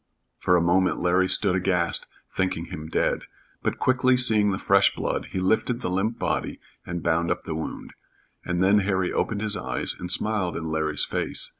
For a moment Larry stood aghast, thinking him dead, but quickly seeing the fresh blood, he lifted the limp body and bound up the wound, and then Harry opened his eyes and smiled in Larry's face.